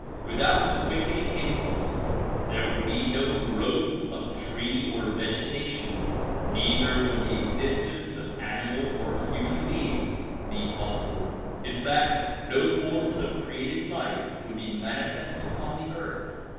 Without this quickening impulse there would be no growth of tree or vegetation, neither would the existence of animal or human being be possible ; in fact no forms of created life would be manifest upon the earth.